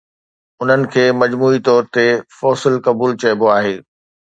انهن کي مجموعي طور تي فوسل فيول چئبو آهي